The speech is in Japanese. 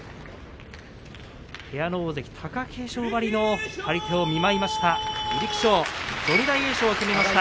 部屋の大関貴景勝ばりの張り手を見舞いました。